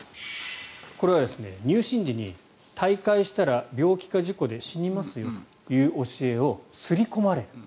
これは入信時に退会したら病気か事故で死にますよという教えを刷り込まれる。